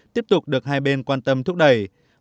tiếp tục được hai bên quan tâm thúc đẩy